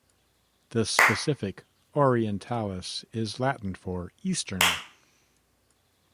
The specific "orientalis" is Latin for "eastern".